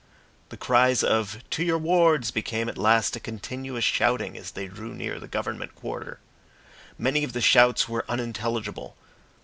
The cries of "To your wards!" became at last a continuous shouting as they drew near the Government quarter. Many of the shouts were unintelligible.